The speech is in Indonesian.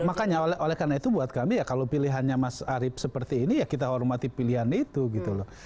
makanya oleh karena itu buat kami ya kalau pilihannya mas arief seperti ini ya kita hormati pilihan itu gitu loh